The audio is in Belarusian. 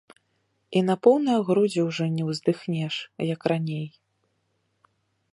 І на поўныя грудзі ужо не ўздыхнеш, як раней.